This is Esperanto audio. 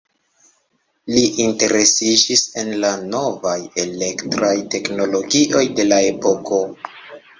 Li interesiĝis en la novaj elektraj teknologioj de la epoko.